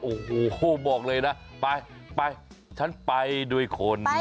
โอ้โหบอกเลยนะไปไปฉันไปด้วยคน